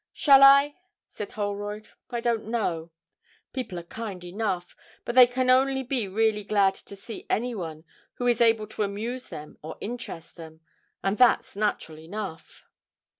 'Shall I?' said Holroyd. 'I don't know. People are kind enough, but they can only be really glad to see any one who is able to amuse them or interest them, and that's natural enough.